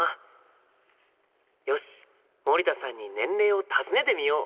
よし森田さんに年齢を尋ねてみよう！